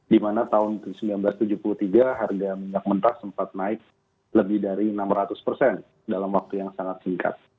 di mana tahun seribu sembilan ratus tujuh puluh tiga harga minyak mentah sempat naik lebih dari enam ratus persen dalam waktu yang sangat singkat